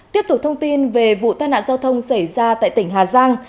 tiếp tục thông tin về vụ tai nạn giao thông xảy ra tại tỉnh hà giang